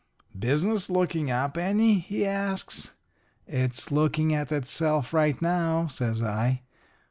"'Business looking up any?' he asks. "'It's looking at itself right now,' says I.